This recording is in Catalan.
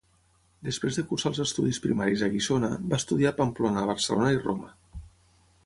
Després de cursar els estudis primaris a Guissona, va estudiar a Pamplona, Barcelona i Roma.